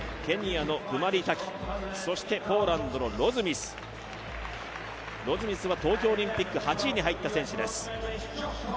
ケニアのクマリ・タキ、ポーランドのロズミスは、東京オリンピック８位に入った選手です。